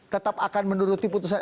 tetap akan menuruti putusan